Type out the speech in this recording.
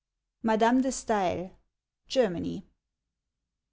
— MADAME DE STAEL : Germany.